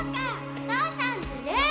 お父さんずるい！